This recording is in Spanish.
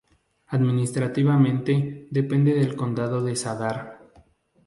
Administrativamente depende del Condado de Zadar.